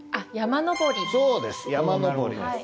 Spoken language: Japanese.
そうです「山登り」です。